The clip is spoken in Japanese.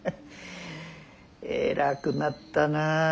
偉くなったなあ。